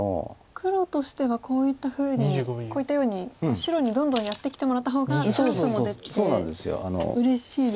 黒としてはこういったように白にどんどんやってきてもらった方がチャンスもできてうれしいですよね。